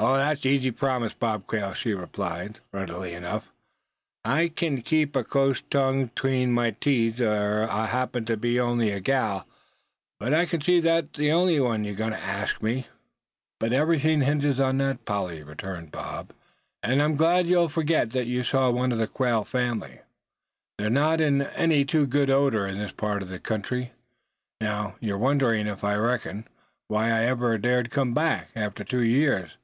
"Oh! thet's easy promised, Bob Quail," she replied, readily enough; "I kin keep a close tongue atween my teeth, ef I happens to be on'y a gal. But I kin see thet ain't all yer gwine to ask o' me." "But everything else hinges on that, Polly," returned Bob; "and I'm glad you'll forget that you saw one of the Quail family. They're not in any too good odor in this part of the country. Now, you're wondering, I reckon, why I ever dared come back, after two years.